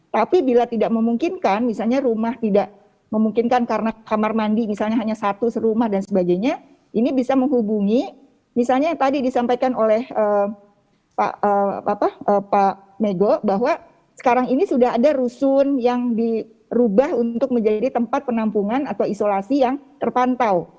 tapi bila tidak memungkinkan misalnya rumah tidak memungkinkan karena kamar mandi misalnya hanya satu serumah dan sebagainya ini bisa menghubungi misalnya tadi disampaikan oleh pak megho bahwa sekarang ini sudah ada rusun yang dirubah untuk menjadi tempat penampungan atau isolasi yang terpantau